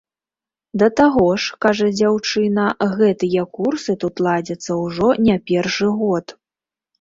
Да таго ж, кажа дзяўчына, гэтыя курсы тут ладзяцца ўжо не першы год.